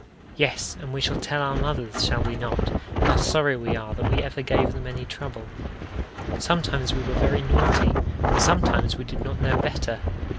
Yes, and we shall tell our mothers shall we not? how sorry we are that we ever gave them any trouble. Sometimes we were very naughty, and sometimes we did not know better.